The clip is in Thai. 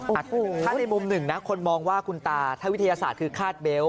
ถ้าในมุมหนึ่งนะคนมองว่าคุณตาถ้าวิทยาศาสตร์คือคาดเบลต์